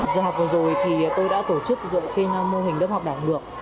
giờ học vừa rồi thì tôi đã tổ chức dựa trên mô hình lớp học đảo ngược